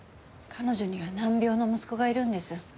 彼女には難病の息子がいるんです。